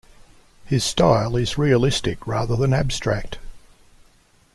His style is realistic rather than abstract.